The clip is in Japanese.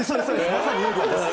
まさにエイリアンです。